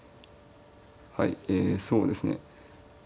はいえそうですね